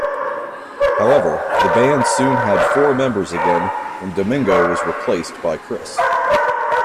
However, the band soon had four members again when Domingo was replaced by Chris.